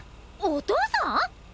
お父さん！？